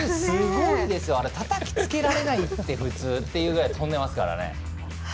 たたきつけられないって普通っていうぐらい跳んでますからね。